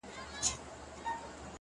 او بېوفايي ‘ يې سمه لکه خور وگڼه’